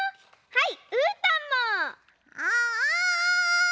はい。